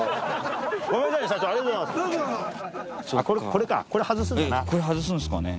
これかこれ外すんだな。